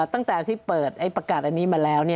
ตั้งแต่ที่เปิดประกาศอันนี้มาแล้ว